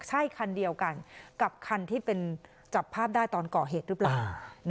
ใช่คันเดียวกันกับคันที่เป็นจับภาพได้ตอนก่อเหตุหรือเปล่า